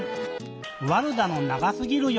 ワルダのながすぎるよ